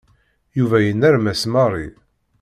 Yuba yennermes Mary.